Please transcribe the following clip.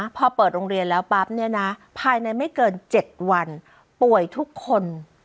พอเปิดโรงเรียนแล้วปั๊บเนี่ยนะภายในไม่เกิน๗วันป่วยทุกคน